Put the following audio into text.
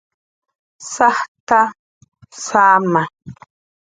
Sajt'a, saama